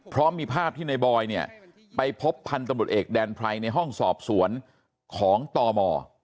เพราะมีภาพที่ในบอยเนี่ยไปพบพันธุ์ตำรวจเอกแดนไพรในห้องสอบสวนของตม